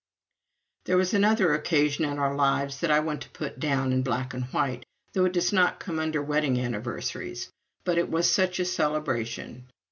There was another occasion in our lives that I want to put down in black and white, though it does not come under wedding anniversaries. But it was such a celebration!